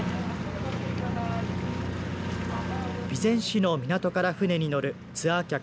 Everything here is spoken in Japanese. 備前市の港から船に乗るツアー客